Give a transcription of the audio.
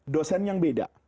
dosen yang beda